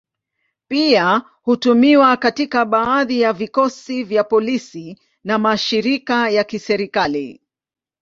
Pia hutumiwa katika baadhi ya vikosi vya polisi na mashirika ya kiserikali.